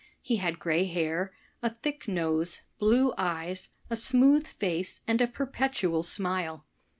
He had gray hair, a thick nose, blue eyes, a smooth face and a perpetual smile.